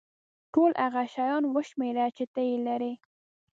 ټول هغه شیان وشمېره چې ته یې لرې.